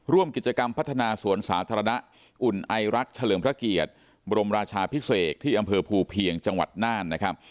ร่วมกิจกรรมพัฒนาสวนสาธารณะอุ่นไอรักษ์เฉลิมพระเกียรติบรมราชาพิเศษที่อำเภอภูเพียงจังหวัดน่านนะครับ